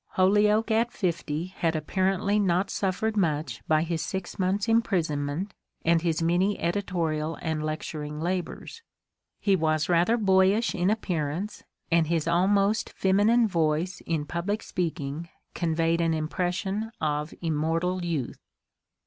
Holyoake at fifty had apparently not suffered much by his six months' imprisonment and his many editorial and lec turing labours ; he was rather boyish in appearance, and his almost feminine voice in public speaking conveyed an impres sion of immortal youth.